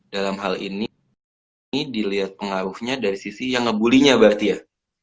dalam hal ini ini dilihat pengaruhnya dari sisi yang ngebully nya berarti ya